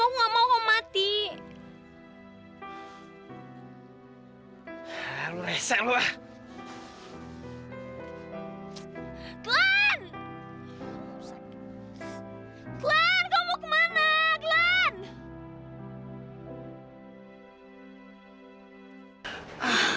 klan aku mau ke mana klan aku mau ke mana